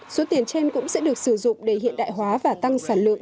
số tiền trên cũng sẽ được sử dụng để hiện đại hóa và tăng sản lượng